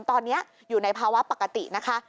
ตอนนี้อยู่ในภาวะปกตินะคะ